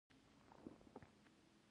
د عینومېنې په یوه رستورانت کې ده.